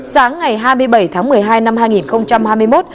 sáng ngày hai mươi bảy tháng một mươi hai năm hai nghìn hai mươi một